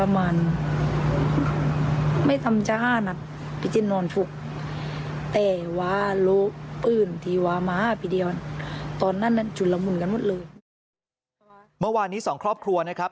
เมื่อวานนี้สองครอบครัวนะครับ